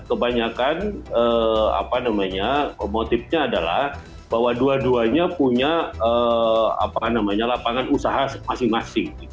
karena dibuat kebanyakan motifnya adalah bahwa dua duanya punya lapangan usaha masing masing